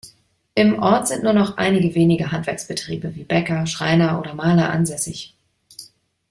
Im Ort sind nur noch einige wenige Handwerksbetriebe wie Bäcker, Schreiner oder Maler ansässig.